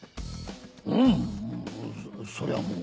うんそりゃもう。